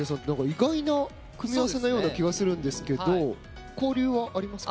意外な組み合わせのような気がするんですけど交流はありますか？